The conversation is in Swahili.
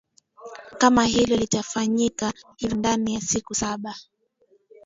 kama hilo litafanyika hivyo ndani ya siku saba